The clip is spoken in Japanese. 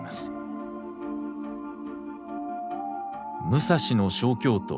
武蔵の小京都